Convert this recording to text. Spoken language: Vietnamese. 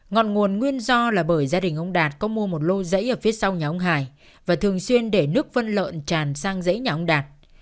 ngọn nguồn nguyên do là bởi gia đình ông đạt có mua một lô rẫy ở phía sau nhà ông hải và thường xuyên để nước phân lợn tràn sang dãy nhà ông đạt